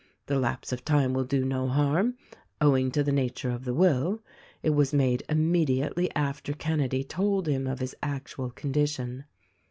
"The lapse of time will do no harm — owing to the nature of the will. It was made immediately after Kenedy told him of his actual condition.